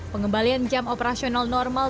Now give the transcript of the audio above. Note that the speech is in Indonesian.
pengembalian jam operasional normal